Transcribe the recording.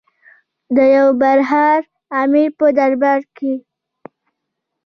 د یو برحال امیر په دربار کې.